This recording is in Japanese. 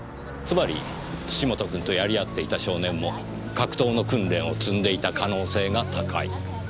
つまり土本君とやり合っていた少年も格闘の訓練を積んでいた可能性が高い。